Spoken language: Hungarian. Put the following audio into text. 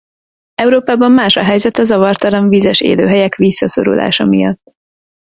Európában más a helyzet a zavartalan vizes élőhelyek visszaszorulása miatt.